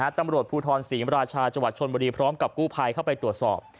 ตำรวจภูทรศรีมราชาจังหวัดชนบุรีพร้อมกับกู้ภัยเข้าไปตรวจสอบ